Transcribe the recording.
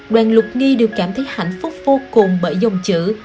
đoàn lục nghi đều cảm thấy hạnh phúc vô cùng bởi dòng chữ